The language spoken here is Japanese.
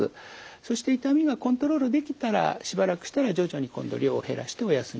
そして痛みがコントロールできたらしばらくしたら徐々に今度量を減らしてお休みすると。